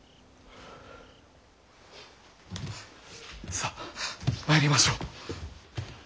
さあ参りましょう。